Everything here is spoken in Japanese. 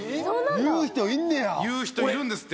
言う人いんねや言う人いるんですって